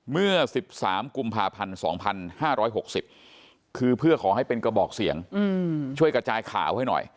เมื่อ๑๓กุมภาพันธ์๒๕๖๐คือเพื่อขอให้เป็นกระบอกเสียงช่วยกระจายข่าวให้หน่อย